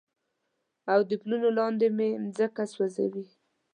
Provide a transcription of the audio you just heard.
او د پلونو لاندې مې مځکه سوزي